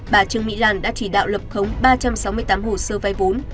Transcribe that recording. bà trương mỹ lan đã chỉ đạo lập khống ba trăm sáu mươi tám hồ sơ vai vốn